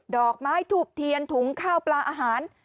ดอกไม้ถูกเทียนถุงข้าวปลาอาหาร